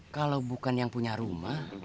kalau bukan yang punya rumah